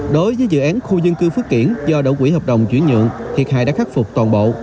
đối với dự án khu dân cư phước kiển do đỗ quỹ hợp đồng chuyển nhượng thiệt hại đã khắc phục toàn bộ